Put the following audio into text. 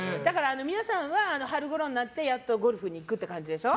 皆さんは、春ごろになってやっとゴルフ行くって感じでしょ？